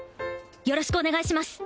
よろしくお願いします